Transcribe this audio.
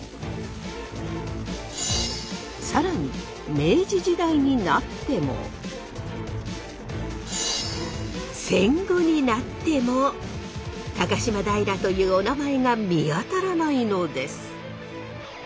更に明治時代になっても戦後になっても高島平というおなまえが見当たらないのです。